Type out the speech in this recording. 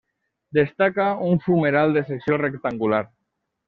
Destaca un fumeral de secció rectangular.